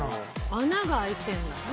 穴が開いてんだね。